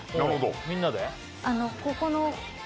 みんなで？